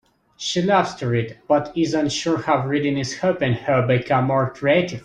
She loves to read, but is unsure how reading is helping her become more creative.